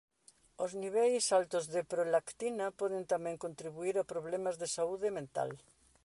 Os niveis altos de prolactina poden tamén contribuír a problemas de saúde mental.